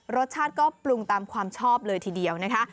รสชาติก็ปรุงตามความชอบเลยทีเดียวนะคะ